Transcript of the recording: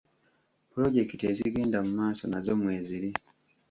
Pulojekiti ezigenda mu maaso nazo mweziri.